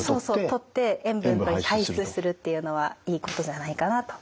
とって塩分を排出するっていうのはいいことじゃないかなと。